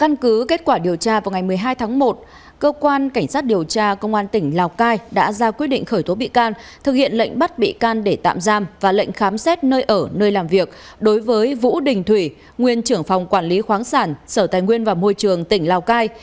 căn cứ kết quả điều tra vào ngày một mươi hai tháng một cơ quan cảnh sát điều tra công an tỉnh lào cai đã ra quyết định khởi tố bị can thực hiện lệnh bắt bị can để tạm giam và lệnh khám xét nơi ở nơi làm việc đối với vũ đình thủy nguyên trưởng phòng quản lý khoáng sản sở tài nguyên và môi trường tỉnh lào cai